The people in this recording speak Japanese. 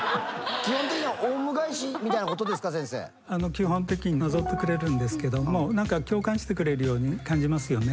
基本的には基本的になぞってくれるんですけども何か共感してくれるように感じますよね